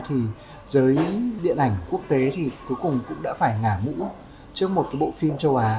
thì giới điện ảnh quốc tế thì cuối cùng cũng đã phải ngã ngũ trước một cái bộ phim châu á